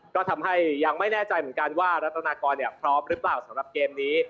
ก็ทำให้ยังไม่แน่ใจเหมือนกันว่ารัฐนากรพร้อมหรือเปล่าสำหรับเกมนี้